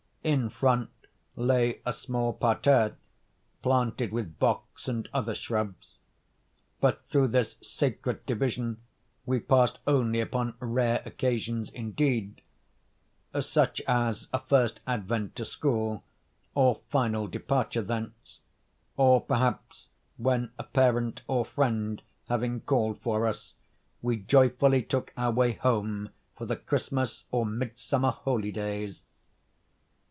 In front lay a small parterre, planted with box and other shrubs, but through this sacred division we passed only upon rare occasions indeed—such as a first advent to school or final departure thence, or perhaps, when a parent or friend having called for us, we joyfully took our way home for the Christmas or Midsummer holidays.